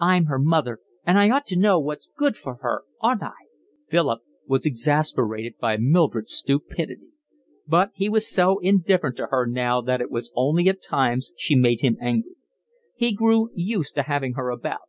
I'm her mother, and I ought to know what's good for her, oughtn't I?" Philip was exasperated by Mildred's stupidity; but he was so indifferent to her now that it was only at times she made him angry. He grew used to having her about.